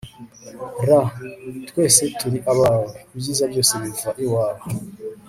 r/ twese turi abawe, ibyiza byose biva iwawe